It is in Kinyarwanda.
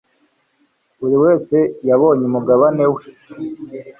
Buri wese yabonye umugabane we.